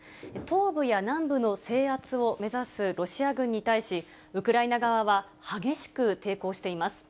東部や南部の制圧を目指すロシア軍に対し、ウクライナ側は激しく抵抗しています。